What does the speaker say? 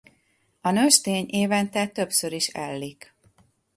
A nőstény évente többször is ellik.